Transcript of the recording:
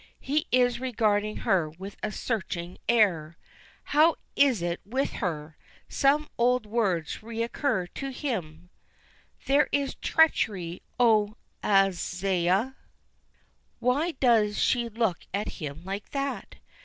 He is regarding her with a searching air. How is it with her? Some old words recur to him: "There is treachery, O Ahaziah!" Why does she look at him like that?